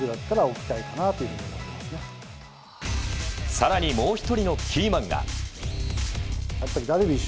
更にもう１人のキーマンが。